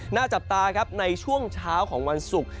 หน้าจับตาครับในช่วงเช้าของวันศุกร์